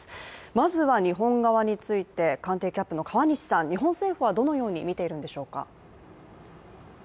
まずは日本側について、官邸キャップの川西さん日本政府はどのように見ているんでしょうか？